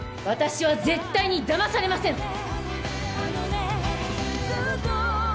私は絶対にだまされません！